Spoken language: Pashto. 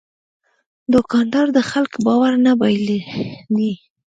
دوکاندار د خلکو باور نه بایلي.